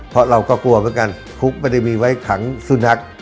เพราะเราก็กลัวเหมือนกันคุกไม่ได้มีไว้ขังสุนัข